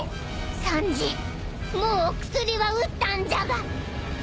サンジもう薬は打ったんじゃが。